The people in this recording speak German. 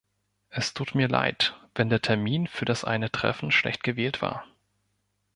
Es tut mir leid, wenn der Termin für das eine Treffen schlecht gewählt war.